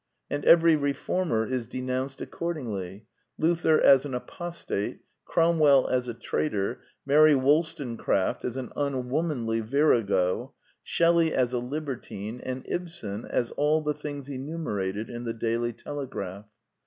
And every reformer is denounced accordingly: Luther as an apostate, Cromwell as a traitor, Mary WoUstonecraft as an unwomanly virago, Shelley as a libertine, and Ibsen as all the things enumer ated in The Daily Telegraph.